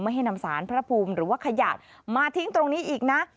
ให้นำสารพระภูมิหรือว่าขยะมาทิ้งตรงนี้อีกนะ